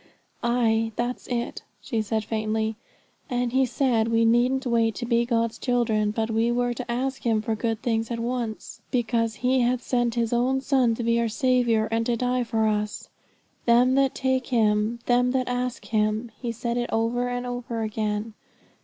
"' 'Ay, that's it,' she said faintly; 'and he said we needn't wait to be God's children, but we were to ask Him for good things at once, because He had sent His own Son to be our Saviour, and to die for us. "Them that ask Him, them that ask Him"; he said it over and over again.